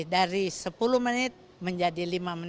dari sepuluh menit menjadi lima menit